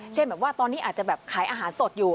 แบบว่าตอนนี้อาจจะแบบขายอาหารสดอยู่